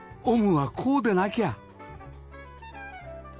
オムはこうでなきゃ！